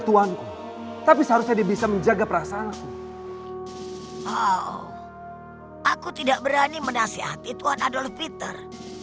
tuanku tapi seharusnya dia bisa menjaga perasaan aku aku tidak berani menasihati tuhan adolf peter